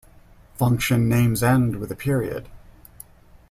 Function names end with a period.